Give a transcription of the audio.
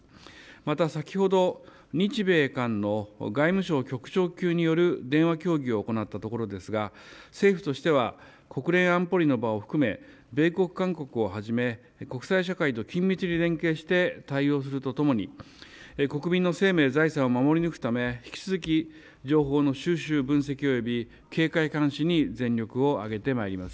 また先ほど日米韓の外務省の局長級による電話協議を行ったところですが政府としては国連安保理の場を含め米国、韓国をはじめ国際社会と緊密に連携をして対応するとともに国民の生命、財産を守り抜くため引き続き情報の収集、分析および警戒、監視に全力を挙げてまいります。